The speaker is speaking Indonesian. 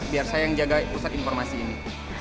biar saya yang jaga pusat informasi ini